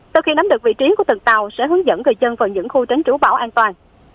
từ khi nắm được vị trí của từng tàu sẽ hướng dẫn người dân vào những khu tránh trú bão an toàn